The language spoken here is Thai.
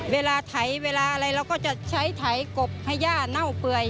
เวลาถ่ายเวลาอะไรเราก็จะใช้ถ่ายกลบให้ย่าเน่าเปลือย